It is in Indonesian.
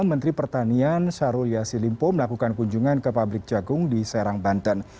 menteri pertanian syahrul yassin limpo melakukan kunjungan ke pabrik jagung di serang banten